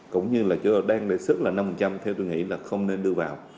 cũng như là đang đề xuất là năm trăm linh theo tôi nghĩ là không nên đưa vào